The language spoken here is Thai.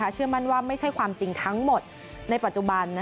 เชื่อมั่นว่าไม่ใช่ความจริงทั้งหมดในปัจจุบัน